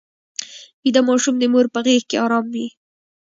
ویده ماشوم د مور په غېږ کې ارام وي